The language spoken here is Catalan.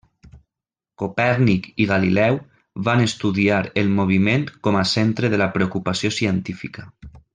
Copèrnic i Galileu van estudiar el moviment com a centre de la preocupació científica.